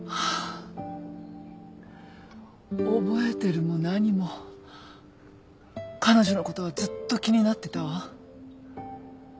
覚えてるも何も彼女の事はずっと気になってたわ。